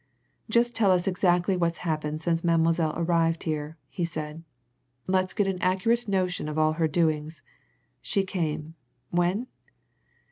"Just tell us exactly what's happened since Mademoiselle arrived here," he said. "Let's get an accurate notion of all her doings. She came when?"